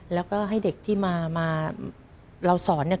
แล้วก็ให้เด็กที่มาเราสอนเนี่ย